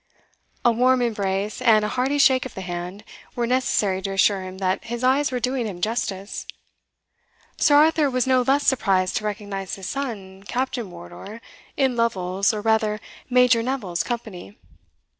A warm embrace, and a hearty shake of the hand, were necessary to assure him that his eyes were doing him justice. Sir Arthur was no less surprised to recognise his son, Captain Wardour, in Lovel's, or rather Major Neville's company.